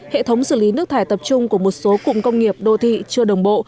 hệ thống xử lý nước thải tập trung của một số cụm công nghiệp đô thị chưa đồng bộ